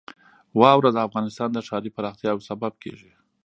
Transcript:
واوره د افغانستان د ښاري پراختیا یو سبب کېږي.